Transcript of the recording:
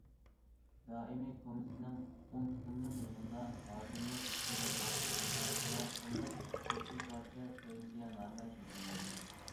دائىمىي كومىتېتنىڭ ئون قېتىملىق يىغىنىدا ھاكىمىيەت ئىشلىرى مەخسۇس مۇھاكىمە قىلىنىپ، سەككىز پارچە تەۋسىيەنامە شەكىللەندى.